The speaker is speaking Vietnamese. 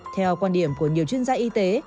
theo quan điểm của nhiều chuyên gia y tế